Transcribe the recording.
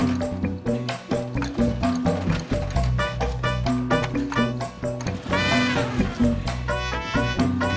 nah aku haro ul spectacular